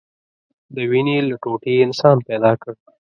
د وينې له ټوټې يې انسان پيدا كړ.